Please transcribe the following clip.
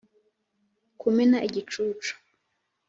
kumena igicucu